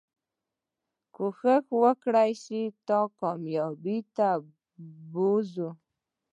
کوښښ کولی شي تا کاميابی ته بوځي